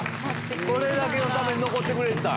これだけのために残ってくれてた。